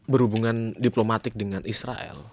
berhubungan diplomatik dengan israel